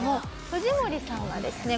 藤森さんはですね